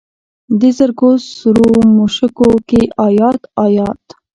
د زرکو سرو مشوکو کې ایات، ایات